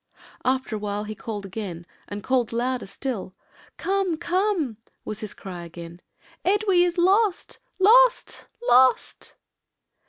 "After a while he called again, and called louder still. 'Come, come,' was his cry again, 'Edwy is lost! lost! lost!'